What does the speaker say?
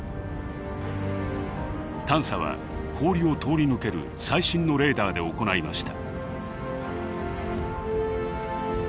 探査は氷を通り抜ける最新のレーダーで行いました。